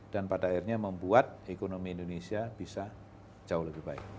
dan pada akhirnya membuat ekonomi indonesia bisa jauh lebih baik